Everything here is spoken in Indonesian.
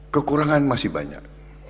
kekurangan masih banyak